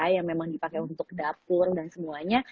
yang memang dipakai untuk dapur dan semuanya